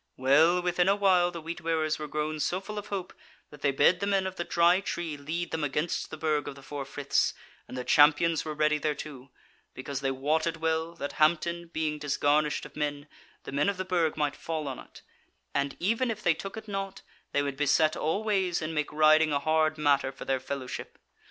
"Well, within a while the Wheat wearers were grown so full of hope that they bade the men of the Dry Tree lead them against the Burg of the Four Friths, and the Champions were ready thereto; because they wotted well, that, Hampton being disgarnished of men, the men of the Burg might fall on it; and even if they took it not, they would beset all ways and make riding a hard matter for their fellowship.